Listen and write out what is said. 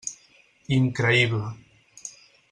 Increïble.